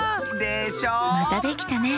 またできたね。